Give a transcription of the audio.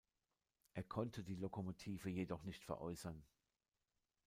Er konnte die Lokomotive jedoch nicht veräußern.